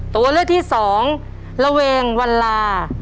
ตัวเลิศที่๒ละเวงวันลา